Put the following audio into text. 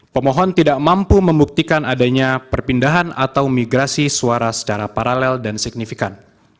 pemohon tidak mampu membuktikan adanya perpindahan atau migrasi suara secara paralel dan signifikan